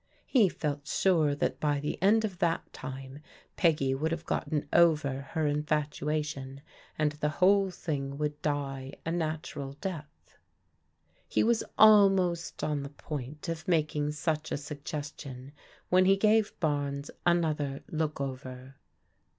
He felt sure that by the end of that time Peggy would have gotten over her infatuation, and the whole thing would die a natural death. He was almost on the point of making such a sugges tion, when he gave Barnes another look over.